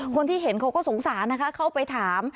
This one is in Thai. คนที่เห็นเขาก็สงสารนะคะเข้าไปถาม